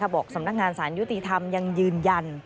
สำนักงานสารยุติธรรมยังยืนยัน